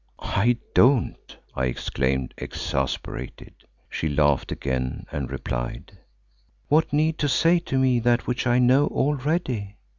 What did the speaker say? "I don't," I exclaimed exasperated. She laughed again and replied, "What need to say to me that which I know already?